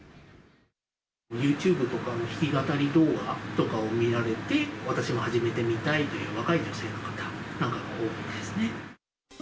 ユーチューブとかの弾き語り動画とかを見られて、私も始めてみたいという若い女性の方なんかが多いですね。